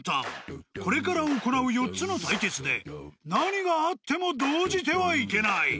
［これから行う４つの対決で何があっても動じてはいけない］